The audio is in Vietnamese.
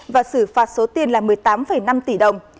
và xử phạt số tiền là một mươi tám năm tỷ đồng